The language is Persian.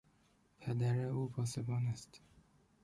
پدر او پاسبان است.